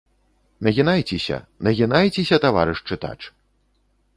Нагінайцеся, нагінайцеся, таварыш чытач!